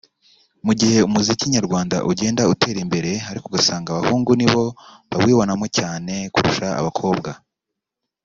Mu gihe umuziki nyarwanda ugenda utera imbere ariko ugasanga abahungu ni bo bawibonamo cyane kurusha abakobwa